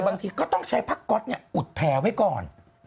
บางทีก็ต้องใช้ผ้าก๊อตอุดแผลไว้ก่อน